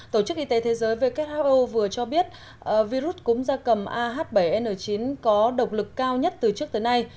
tổ chức y tế thế giới who vừa cho biết virus cúm da cầm ah bảy n chín có độc lực cao nhất từ trước tới nay